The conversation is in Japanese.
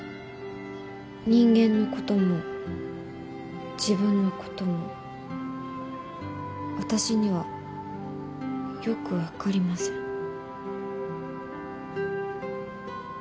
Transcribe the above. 人間のことも自分のことも私にはよくわかりません。